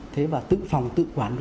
thế và tự phòng tự quản